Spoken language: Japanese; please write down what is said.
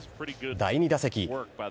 第２打席。